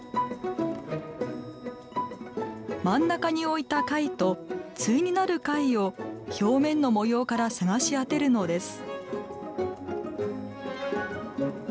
真ん中に置いた貝と対になる貝を表面の模様から探し当てるのです。